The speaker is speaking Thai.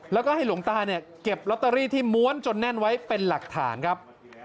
แล้วก็ให้หลวงตาเนี่ยเก็บลอตเตอรี่ที่ม้วนจนแน่นไว้เป็นหลักฐานครับ